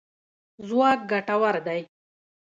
ځواک ګټور دی.